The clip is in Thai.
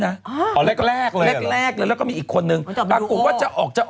มันใช่เลยนะ